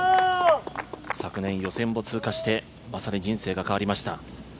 昨年予選を通過してまさに人生が変わりました。